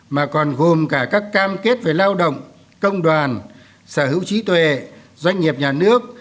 mà còn gồm cả các cam kết về lao động công đoàn sở hữu trí tuệ doanh nghiệp nhà nước